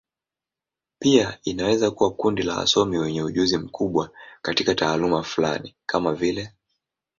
Pia inaweza kuwa kundi la wasomi wenye ujuzi mkubwa katika taaluma fulani, kama vile.